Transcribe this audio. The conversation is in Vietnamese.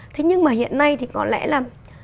thế nhưng mà hiện nay thì có lẽ là